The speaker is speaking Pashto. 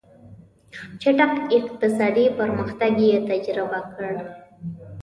چټک اقتصادي پرمختګ یې تجربه کړ.